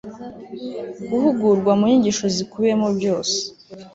guhugurwa mu nyigisho zikubiyemo byose